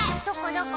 どこ？